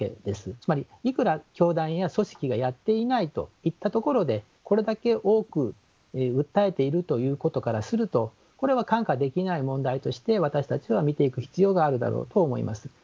つまりいくら教団や組織が「やっていない」と言ったところでこれだけ多く訴えているということからするとこれは看過できない問題として私たちは見ていく必要があるだろうと思います。